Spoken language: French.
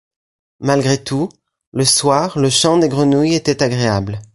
Malgré tout, le soir le chant des grenouilles était agréable.